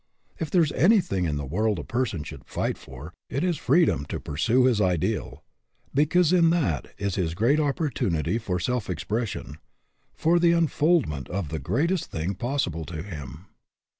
If there is anything in the world a person should fight for, it is freedom to pursue his ideal, because in that is his great opportunity for self expression, for the unfoldment of the greatest thing possible to him.